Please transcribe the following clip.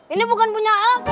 ini bukan punya om